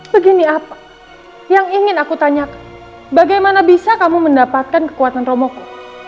begini apa yang ingin aku tanyakan bagaimana bisa kamu mendapatkan kekuatan romoko